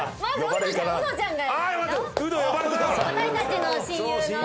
私たちの親友の。